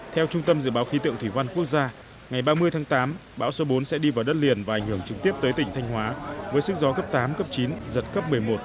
theo trung tâm dự báo khí tượng thủy văn quốc gia ngày ba mươi tháng tám bão số bốn sẽ đi vào đất liền và ảnh hưởng trực tiếp tới tỉnh thanh hóa với sức gió cấp tám cấp chín giật cấp một mươi một